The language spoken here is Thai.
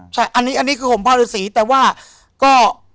ใช่อันนี้คือผมผ้ารื่อสีแต่ว่าก็